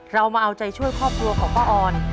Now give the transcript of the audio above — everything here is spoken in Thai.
เรามาเอาใจช่วยครอบครัวของป้าออน